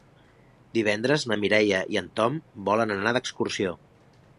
Divendres na Mireia i en Tom volen anar d'excursió.